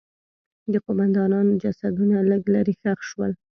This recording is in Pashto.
د قوماندانانو جسدونه لږ لرې ښخ شول.